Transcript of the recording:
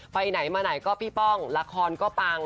ไปไหนมาไหนก็พี่ป้องละครก็ปัง